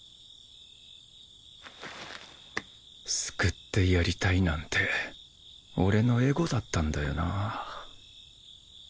救ってやりたいなんて俺のエゴだったんだよな